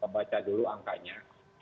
baca dulu angkanya